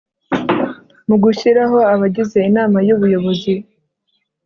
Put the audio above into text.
mu gushyiraho abagize inama y ubuyobozi